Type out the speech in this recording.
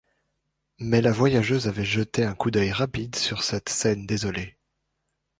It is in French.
Mais la voyageuse avait jeté un coup d’œil rapide sur cette scène désolée.